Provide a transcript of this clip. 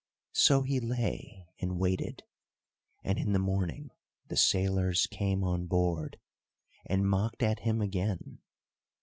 So he lay and waited, and in the morning the sailors came on board, and mocked at him again.